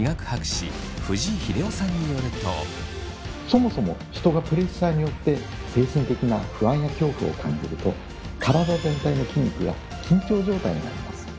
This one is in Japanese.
そもそも人がプレッシャーによって精神的な不安や恐怖を感じると体全体の筋肉が緊張状態になります。